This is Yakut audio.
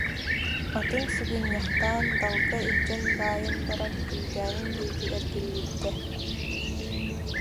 Атын сыгынньахтаан дал- га илдьэн баайан баран үүтээнин диэки эргиллибитэ